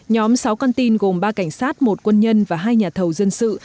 nhóm sáu con tin gồm ba cảnh sát một quân nhân và hai nhà thầu dân sự